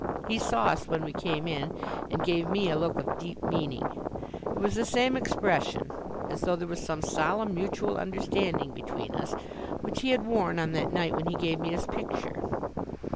He saw us when we came in, and gave me a look of deep meaning. It was the same expression as though there was some solemn, mutual understanding between us which he had worn on that night when he gave me his picture.